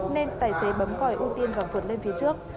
nên tài xế bấm còi ưu tiên và vượt lên phía trước